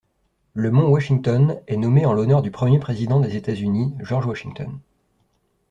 Le mont Washington est nommé en l'honneur du premier président des États-Unis, George Washington.